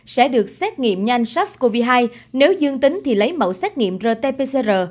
sẽ được xét nghiệm nhanh sars cov hai nếu dương tính thì lấy mẫu xét nghiệm rt pcr